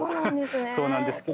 そうなんですね！